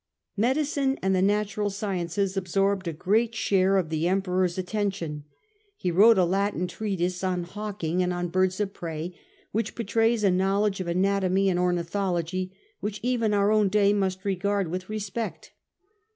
Medicine and the Natural Sciences absorbed a great share of the Emperor's attention. He wrote a Latin ii8 STUPOR MUNDI treatise on hawking and on birds of prey which betrays a knowledge of anatomy and ornithology which even our own day must regard with respect.